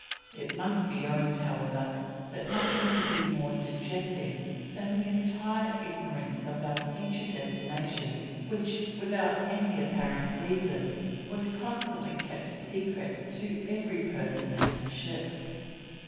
It must be owned, however, that nothing could be more dejecting than the entire ignorance of our future destination which, without any apparent reason was constantly kept a secret to every person in the ship."